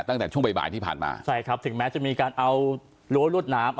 ตั้งแต่ช่วงบ่ายบ่ายที่ผ่านมาใช่ครับถึงแม้จะมีการเอารั้วรวดน้ำ